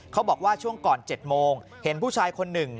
เขาบอกว่าช่วงก่อน๗โมงเห็นผู้ชายคนหนึ่ง